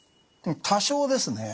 多少ですね。